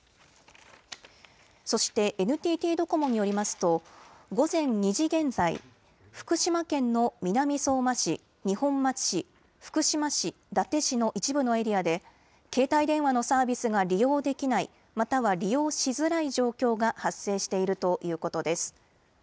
そしてＮＴＴドコモによりますと午前２時現在福島県の南相馬市二本松市福島市、伊達市の一部のエリアで携帯電話のサービスが利用できないまたは利用しづらい状況が発生しているということです。